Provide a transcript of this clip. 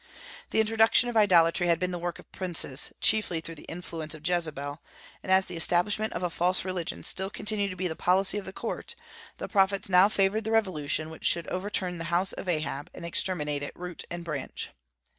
The introduction of idolatry had been the work of princes, chiefly through the influence of Jezebel; and as the establishment of a false religion still continued to be the policy of the court, the prophets now favored the revolution which should overturn the house of Ahab, and exterminate it root and branch.